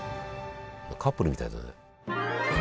カップルみたいだね。